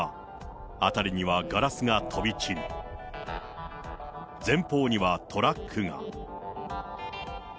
辺りにはガラスが飛び散り、前方にはトラックが。